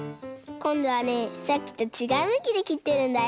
こんどはねさっきとちがうむきできってるんだよ。